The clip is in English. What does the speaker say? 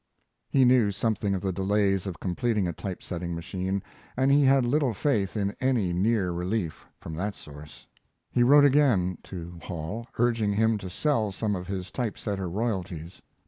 He knew something of the delays of completing a typesetting machine, and he had little faith in any near relief from that source. He wrote again go Hall, urging him to sell some of his type setter royalties.